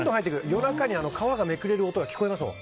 夜中に皮がめくれる音が聞こえますもん。